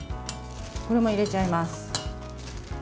これも入れちゃいます。